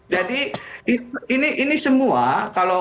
jadi ini semua